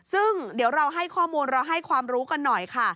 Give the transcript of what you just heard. ซึ่งเดี๋ยวเราให้ข้อมูลเราให้ความรู้กันหน่อยค่ะ